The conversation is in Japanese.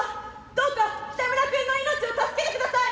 どうかキタムラ君の命を助けてください！